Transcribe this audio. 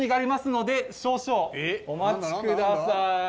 少々お待ちください。